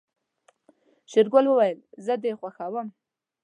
شېرګل وويل زه دې خوښوم.